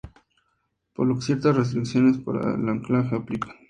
Por lo que ciertas restricciones para el anclaje aplican.